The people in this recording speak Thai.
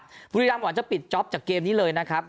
บุรีรำหวังจะปิดจ๊อปจากเกมนี้เลยนะครับ